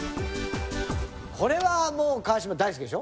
これはもう川島大好きでしょ？